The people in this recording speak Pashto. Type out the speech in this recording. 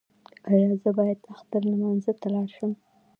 ایا زه باید اختر لمانځه ته لاړ شم؟